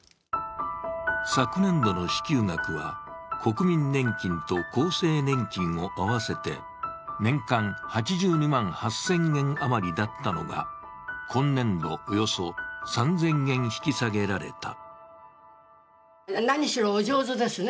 昨年度の支給額は国民年金と厚生年金を合わせて年間８２万８０００円余りだったのが、今年度、およそ３０００円引き下げられた。